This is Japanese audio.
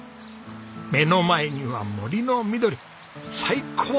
目の前には森の緑最高の朝ご飯！